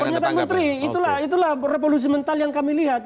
pernyataan menteri itulah revolusi mental yang kami lihat